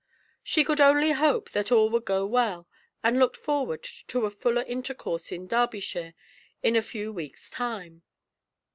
She could only hope that all would go well, and looked forward to a fuller intercourse in Derbyshire in a few weeks' time.